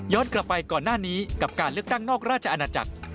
กลับไปก่อนหน้านี้กับการเลือกตั้งนอกราชอาณาจักร